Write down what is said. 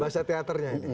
bahasa teaternya ini